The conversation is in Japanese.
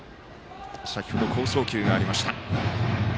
先ほど好送球がありました。